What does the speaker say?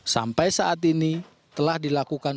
sampai saat ini telah dilakukan